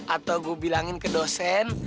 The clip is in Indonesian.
atau gue bilangin ke dosen